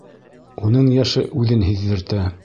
Уның йәше үҙен һиҙҙертә.